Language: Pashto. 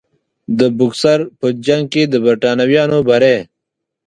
د بوکسر په جنګ کې د برټانویانو بری.